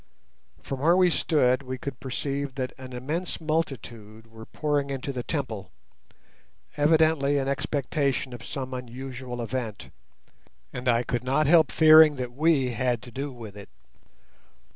From where we stood we could perceive that an immense multitude were pouring into the temple, evidently in expectation of some unusual event, and I could not help fearing that we had to do with it.